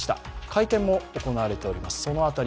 会見も行われています。